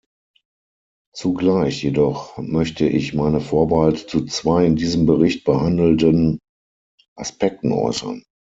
Zugleich jedoch möchte ich meine Vorbehalte zu zwei in diesem Bericht behandelten Aspekten äußern.